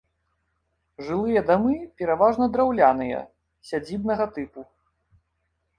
Жылыя дамы пераважна драўляныя, сядзібнага тыпу.